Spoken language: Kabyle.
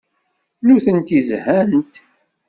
Nutenti zhant.